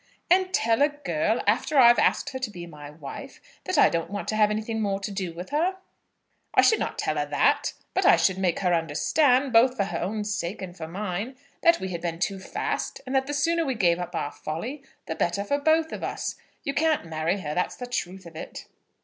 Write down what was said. "And tell a girl, after I have asked her to be my wife, that I don't want to have anything more to do with her?" "I should not tell her that; but I should make her understand, both for her own sake and for mine, that we had been too fast, and that the sooner we gave up our folly the better for both of us. You can't marry her, that's the truth of it."